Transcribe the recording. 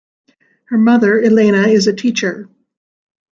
Her mother, Elena is a teacher.